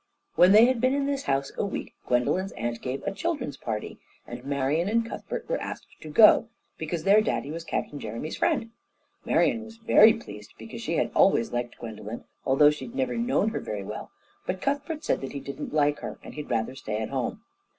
When they had been in this house a week, Gwendolen's aunt gave a children's party, and Marian and Cuthbert were asked to go, because their daddy was Captain Jeremy's friend. Marian was very pleased, because she had always liked Gwendolen, although she had never known her very well, but Cuthbert said that he didn't like her and that he'd rather stay at home.